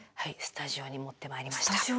スタジオに持ってまいりました。